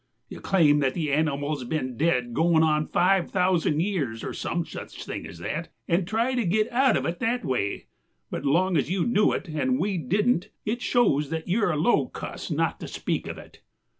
"You claim that the animal has been dead goin' on five thousand years, or some such thing as that, and try to get out of it that way, but long as you knew it and we didn't it shows that you're a low cuss not to speak of it.